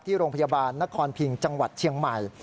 โรงพยาบาลนครพิงจังหวัดเชียงใหม่